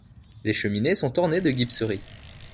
Les cheminées sont ornées de gypseries.